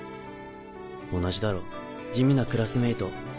同じだろ地味なクラスメート。